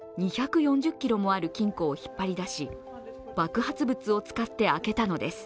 ２４０ｋｇもある金庫を引っ張り出し、爆発物を使って開けたのです。